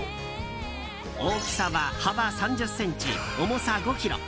大きさは幅３０ｃｍ重さ５ｋｇ。